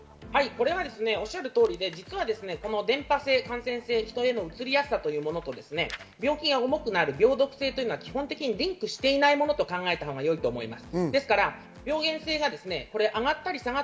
おっしゃる通りで伝播性、感染性、人へのうつりやすさというもの、病気が重くなる病毒性というのは基本的にリンクしていないと考えたほうが良いと思います。